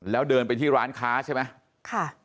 แล้วเดินไปที่ร้านค้าใช่ไหมค่ะ